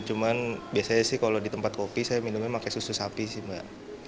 cuman biasanya sih kalau di tempat kopi saya minumnya pakai susu sapi sih mbak